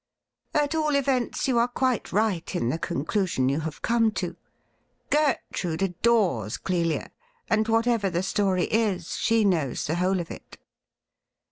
At all events, you are quite right in the conclusion you have come to. Gertrude adores Clelia, and whatever the story is, she knows the whole of it.'